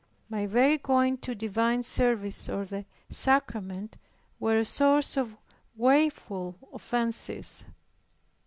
My very going to divine service or the sacrament, were a source of woeful offences.